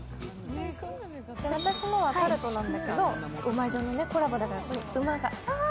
私のはタルトなんだけどＵＭＡＪＯのコラボだから、馬が。